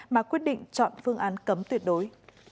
mà quyết định chọn phương án cấm tuyệt đối